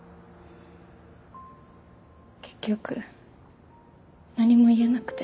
結局何も言えなくて。